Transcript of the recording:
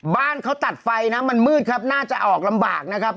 บ้านเขาตัดไฟนะมันมืดครับน่าจะออกลำบากนะครับ